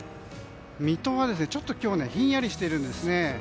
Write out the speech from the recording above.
水戸はちょっと今日ひんやりしてるんですね。